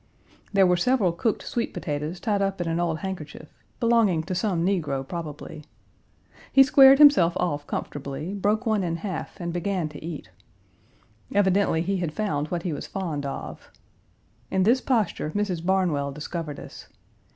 There were several cooked sweet potatoes tied up in an old handkerchief belonging to some negro probably. He squared himself off comfortably, broke one in half and began to eat. Evidently he had found what he was fond of. In this posture Mrs. Barnwell discovered us.